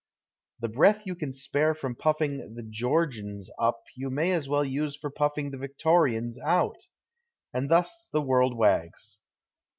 The breath you can spare from puffing the " Georgians *' up you may as well use for puffing the '" Victorians '" out. And thus the world wags.